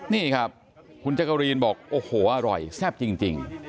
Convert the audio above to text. นี่ครับคุณจักรีนบอกโอ้โหอร่อยแซ่บจริง